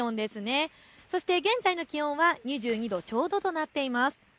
そしてそして現在の気温は２２度ちょうどとなっています。